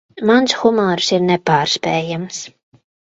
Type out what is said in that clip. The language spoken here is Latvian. Mans humors ir nepārspējams.